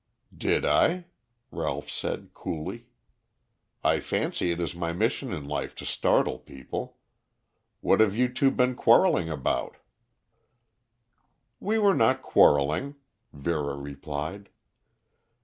"Did I?" Ralph said coolly. "I fancy it is my mission in life to startle people. What have you two been quarreling about?" "We were not quarreling," Vera replied.